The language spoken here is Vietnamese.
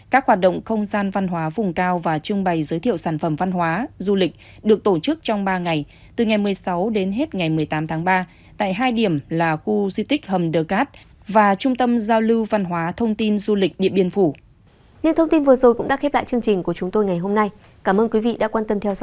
các hoạt động không gian văn hóa vùng cao và trưng bày giới thiệu sản phẩm văn hóa du lịch được tổ chức trong ba ngày từ ngày một mươi sáu đến hết ngày một mươi tám tháng ba tại hai điểm là khu di tích hầm đờ cát và trung tâm giao lưu văn hóa thông tin du lịch điện biên phủ